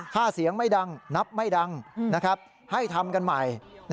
ถ้าเสียงไม่ดังนับไม่ดังให้ทำกันใหม่